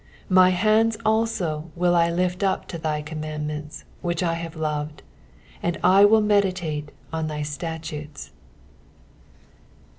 48 My hands also will I lift up unto thy commandments, which I have loved ; and I will meditate in thy statutes.